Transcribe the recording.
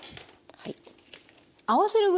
はい。